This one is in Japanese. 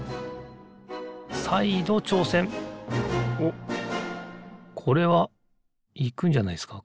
おっこれはいくんじゃないですか